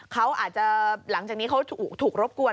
เขาอาจจะหลังจากนี้เขาถูกรบกวน